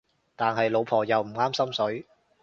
但係老婆又唔啱心水